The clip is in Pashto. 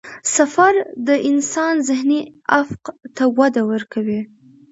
سفر د انسان ذهني افق ته وده ورکوي.